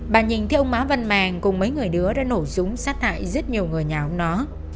bà nhìn thấy ông má văn màng cùng mấy người đứa đã nổ súng sát hại rất nhiều người nhà ông nó